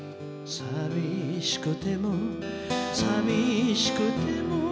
「淋しくても淋しくても」